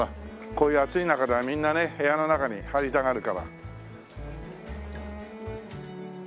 こういう暑い中ではみんなね部屋の中に入りたがるから。